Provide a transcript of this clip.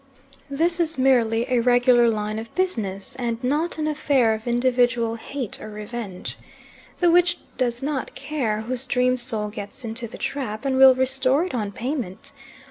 This is merely a regular line of business, and not an affair of individual hate or revenge. The witch does not care whose dream soul gets into the trap, and will restore it on payment.